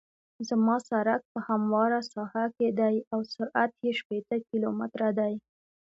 زما سرک په همواره ساحه کې دی او سرعت یې شپیته کیلومتره دی